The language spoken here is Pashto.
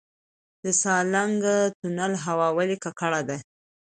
د سالنګ تونل هوا ولې ککړه ده؟